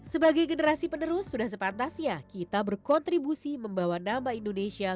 sebagai generasi penerus sudah sepantasnya kita berkontribusi membawa nama indonesia